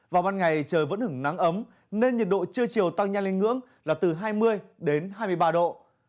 vào ban ngày trời vẫn hứng nắng ấm nên nhiệt độ trưa chiều tăng nhanh lên ngưỡng là từ hai mươi đến hai mươi ba độ